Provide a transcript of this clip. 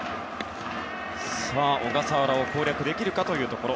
さあ、小笠原を攻略できるかというところ。